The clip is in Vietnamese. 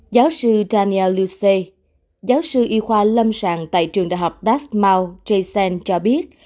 giáo sư daniel lucey giáo sư y khoa lâm sàng tại trường đại học dartmouth mau jason cho biết